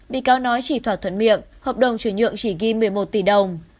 bị cáo nói chỉ thoạt thuận miệng hợp đồng truyền nhượng chỉ ghi một mươi một tỷ đồng